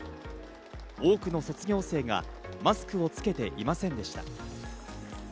多くの卒業生がマスクをつけていませんでした。